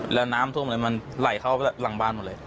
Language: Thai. แล้วน้ำท่วมอะไรมันไหลเข้าหลังบ้านหมดเลย